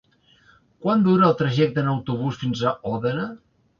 Quant dura el trajecte en autobús fins a Òdena?